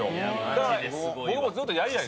だから僕もずっとやいやいね